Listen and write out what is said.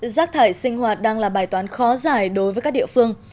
rác thải sinh hoạt đang là bài toán khó giải đối với các địa phương